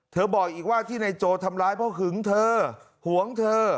บอกอีกว่าที่นายโจทำร้ายเพราะหึงเธอหวงเธอ